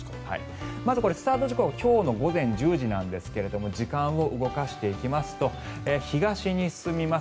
まずスタート時刻は今日の午前１０時なんですが時間を動かしていきますと東に進みます。